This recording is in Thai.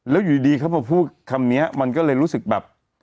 แล้วอยู่ดีพอพูดคำนี้มันก็เลยรู้สึกปะ